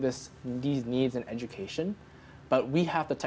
tapi kami memiliki kemampuan teknis untuk melakukannya